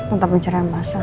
untuk pencerahan masa